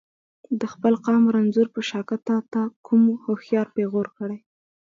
د خپل قام رنځور په شاکه ته ته کوم هوښیار پیغور کړي.